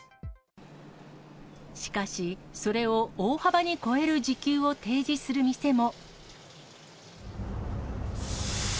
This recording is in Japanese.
しかし、それを大幅に超える時給を提示する店も。